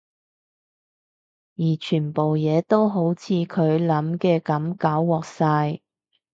而全部嘢都好似佢諗嘅噉搞禍晒